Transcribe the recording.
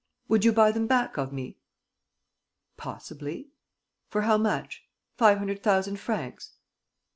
"Would you buy them back of me?" "Possibly." "For how much? Five hundred thousand francs?"